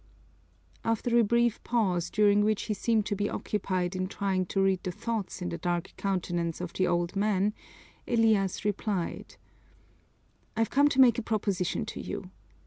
After a brief pause during which he seemed to be occupied in trying to read the thoughts in the dark countenance of the old man, Elias replied: "I've come to make a proposition to you.